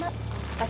sarapan apa lu